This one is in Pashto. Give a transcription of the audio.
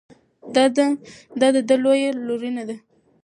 دا د ده لویه لورینه ده.